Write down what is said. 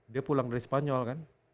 dia pulang dari spanyol kan